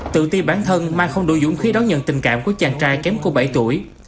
tự ti bản thân mai không đủ dũng khí đón nhận tình cảm của chàng trai kém của bảy tuổi